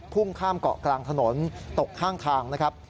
พุ่งข้ามเกาะกลางถนนตกข้างทางนะครับ